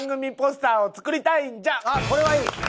あっこれはいい！